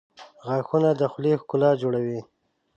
• غاښونه د خولې ښکلا لوړوي.